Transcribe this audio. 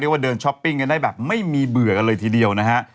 ว่าเดินช้อปปิ้งกันได้แบบไม่มีเบื่อกันเลยทีเดียวนะฮะ